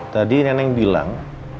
tadi nenek bilang